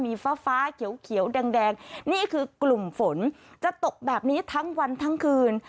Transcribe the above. มีฟ้าฟ้าเขียวแดงนี่คือกลุ่มฝนจะตกแบบนี้ทั้งวันทั้งคืน